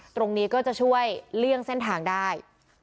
ตรงนี้ก็จะช่วยเลี่ยงเส้นทางได้